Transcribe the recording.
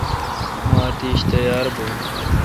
مہ اتیش تیار بھون۔